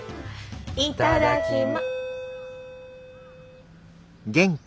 いただきま。